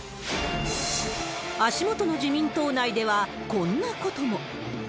足元の自民党内では、こんなことも。